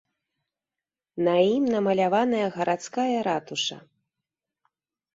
На ім намаляваная гарадская ратуша.